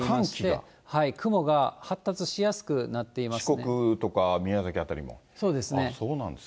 雲が発達しやすくなっていますね。